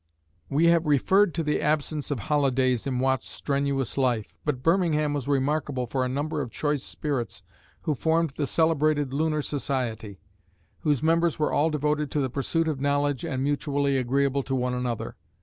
We have referred to the absence of holidays in Watt's strenuous life, but Birmingham was remarkable for a number of choice spirits who formed the celebrated Lunar Society, whose members were all devoted to the pursuit of knowledge and mutually agreeable to one another.